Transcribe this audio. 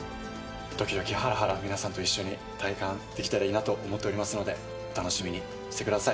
どきどきはらはら、皆さんと一緒に体感できたらいいなと思っておりますので、楽しみにしてください。